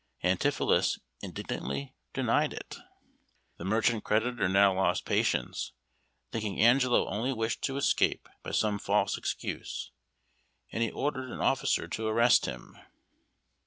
Antipholus indignantly denied it. The merchant creditor now lost patience, thinking Angelo only wished to escape by some false excuse, and he ordered an officer to arrest him.